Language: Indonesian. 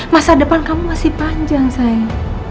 masa depan kamu masih panjang saya